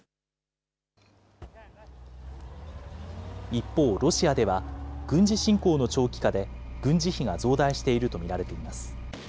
一方、ロシアでは軍事侵攻の長期化で、軍事費が増大していると見られています。